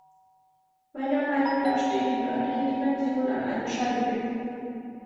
Meiner Meinung nach steht die Nördliche Dimension an einem Scheideweg.